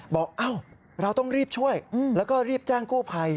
บอกเราต้องรีบช่วยแล้วก็รีบแจ้งกู้ภัย